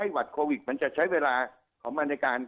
หวัดโควิดมันจะใช้เวลาของมันในการ